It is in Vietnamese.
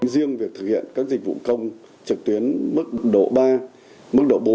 riêng việc thực hiện các dịch vụ công trực tuyến mức độ ba mức độ bốn